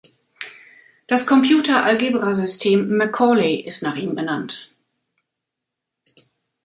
Das Computer-Algebrasystem "Macaulay" ist nach ihm benannt.